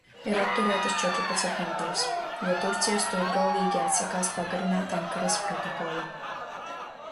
Ir apturētas četrpadsmit nodaļas, jo Turcija stūrgalvīgi atsakās pagarināt Ankaras protokolu.